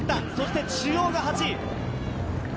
そして中央が８位。